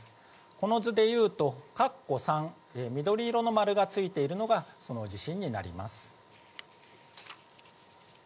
この図でいうと、かっこ３、緑色の丸がついているのが、その地震になります。